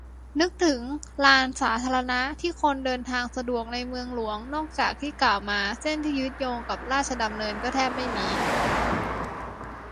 นึกถึง "ลานสาธารณะ" ที่คนเดินทางสะดวกในเมืองหลวงนอกจากที่กล่าวมาเส้นที่ยึดโยงกับราชดำเนิน ก็แทบไม่มี